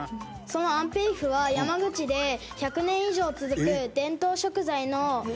その安平麩は山口で１００年以上続く伝統食材なんです。